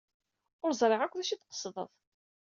Ur ẓriɣ akk d acu ay d-tqesdeḍ.